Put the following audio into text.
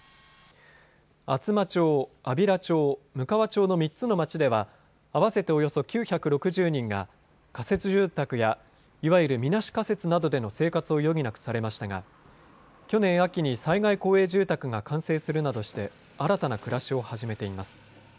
厚真町、安平町、むかわ町の３つの町では合わせておよそ９６０人が仮設住宅やいわゆる、みなし仮設などでの生活を余儀なくされましたが去年秋に災害公営住宅が完成するなどして新たな暮らしを始めています。